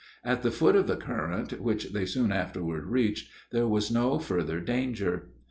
At the foot of the current, which they soon afterward reached, there was no further danger.